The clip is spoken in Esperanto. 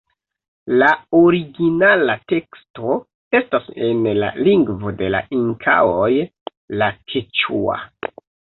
La originala teksto estas en la lingvo de la Inkaoj la keĉua.